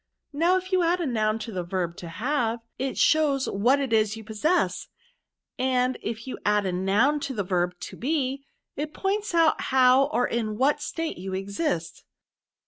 Now, if you add a noun to the verb to have, it shows what it is you possess ; and if you add a noun to the verb to be, it points out how or in what state you exist.